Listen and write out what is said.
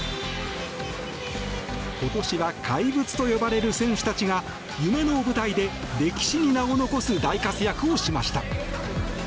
今年は怪物と呼ばれる選手たちが夢の舞台で歴史に名を残す大活躍をしました。